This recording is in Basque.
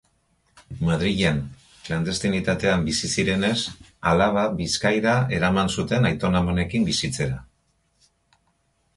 Madrilen klandestinitatean bizi zirenez, alaba Bizkaira eraman zuten aiton-amonekin bizitzera.